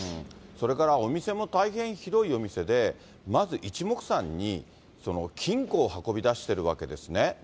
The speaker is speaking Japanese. それからお店も大変広いお店で、まず一目散に金庫を運び出しているわけですね。